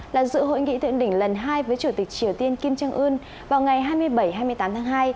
là dự hội nghị thượng đỉnh lần hai với chủ tịch triều tiên kim trương ưn vào ngày hai mươi bảy hai mươi tám tháng hai